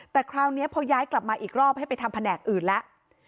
แต่คราวนี้พอย้ายกลับมาอีกรอบให้ไปทำแผนกอื่นแล้ว